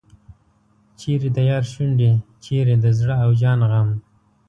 چیرې د یار شونډې چیرې د زړه او جان غم.